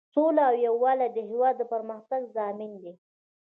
سوله او یووالی د هیواد د پرمختګ ضامن دی.